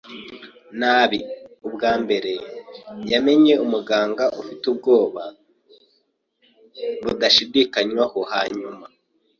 nabi. Ubwa mbere yamenye umuganga ufite ubwoba budashidikanywaho; hanyuma